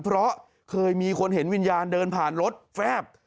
เพราะเคยมีคนเห็นวิญญาณเดินผ่านรถแฟบ